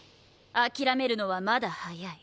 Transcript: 諦めるのはまだ早い。